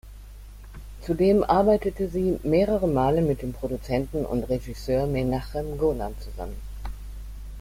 Zudem arbeitet sie mehrere Male mit dem Produzenten und Regisseur Menahem Golan zusammen.